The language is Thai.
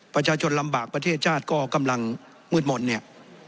ประชาชนลำบากประเทศชาติก็กำลังมืดหมดเนี่ย